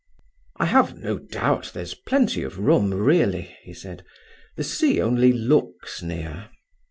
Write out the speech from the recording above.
"I have no doubt there's plenty of room, really," he said. "The sea only looks near."